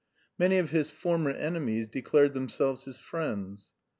Many of his former enemies declared themselves his friends.